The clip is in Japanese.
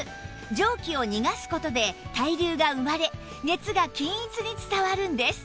蒸気を逃がす事で対流が生まれ熱が均一に伝わるんです